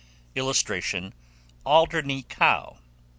[Illustration: ALDERNEY COW.